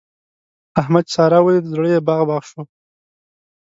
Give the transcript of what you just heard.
احمد چې سارا وليده؛ زړه يې باغ باغ شو.